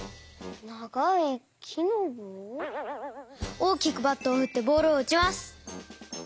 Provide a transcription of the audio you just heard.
おおきくバットをふってボールをうちます。